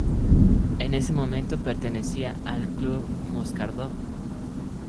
En ese momento pertenecía al Club Moscardó.